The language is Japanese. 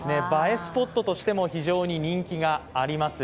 スポットとしても非常に人気があります。